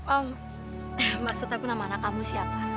oh maksud aku nama anak kamu siapa